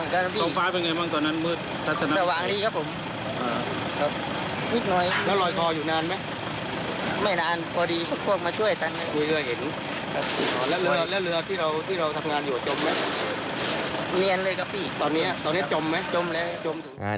เนียนเลยครับพี่ตอนนี้จมไหมจมแล้ว